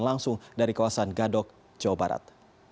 langsung dari kawasan gadok jawa barat